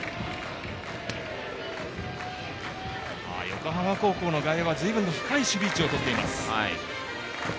横浜高校の外野はずいぶん深い守備位置をとっています。